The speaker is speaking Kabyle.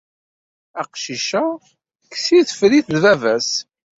Aqcic-a, kkes-it, ffer-it, d baba-s.